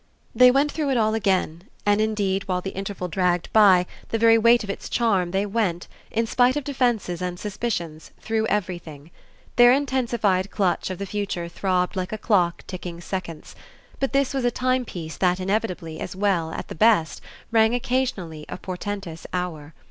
They went through it all again, and indeed while the interval dragged by the very weight of its charm they went, in spite of defences and suspicions, through everything. Their intensified clutch of the future throbbed like a clock ticking seconds; but this was a timepiece that inevitably, as well, at the best, rang occasionally a portentous hour.